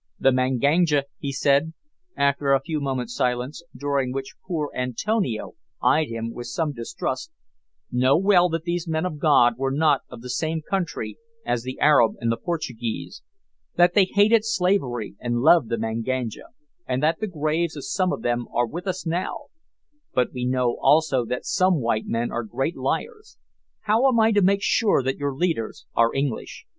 "The Manganja," he said, after a few moments' silence, during which poor Antonio eyed him with some distrust, "know well that these men of God were not of the same country as the Arab and the Portuguese; that they hated slavery and loved the Manganja, and that the graves of some of them are with us now; but we know also that some white men are great liars. How am I to make sure that your leaders are English?